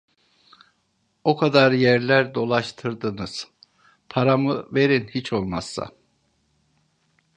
O kadar yerler dolaştırdınız, paramı verin hiç olmazsa!